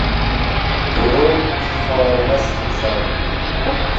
G‘urur-iftixorimiz timsoli